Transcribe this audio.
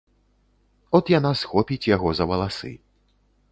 От яна схопіць яго за валасы.